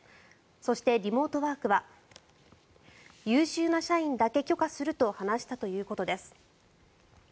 そして、リモートワークは優秀な社員だけ許可すると話したということです。